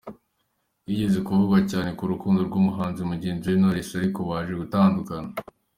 Yigeze kuvugwa cyane mu rukundo n’umuhanzi mugenzi we Knolwess ariko baje gutandukana.